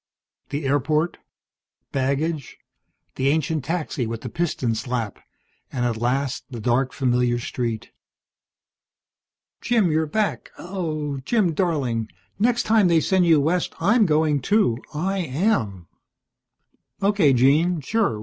The airport, baggage, the ancient taxi with the piston slap, and at last the dark, familiar street. "Jim, you're back! Oh, Jim, darling. Next time they send you west I'm going too. I am!" "Okay, Jean, sure.